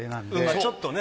ちょっとね。